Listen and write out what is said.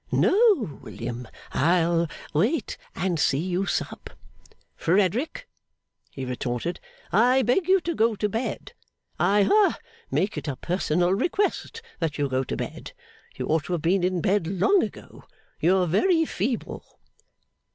'No, William. I'll wait and see you sup.' 'Frederick,' he retorted, 'I beg you to go to bed. I ha make it a personal request that you go to bed. You ought to have been in bed long ago. You are very feeble.